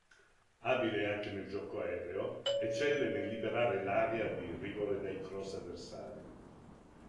Abile anche nel gioco aereo, eccelle nel liberare l'area di rigore dai cross avversari.